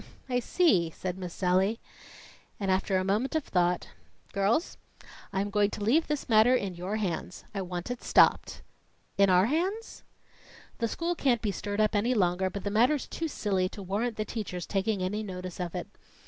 "H'm, I see!" said Miss Sallie; and, after a moment of thought, "Girls, I am going to leave this matter in your hands. I want it stopped." "In our hands?" "The school can't be stirred up any longer; but the matter's too silly to warrant the teachers taking any notice of it.